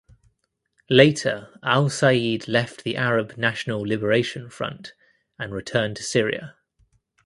Later Al Saeed left the Arab National Liberation Front and returned to Syria.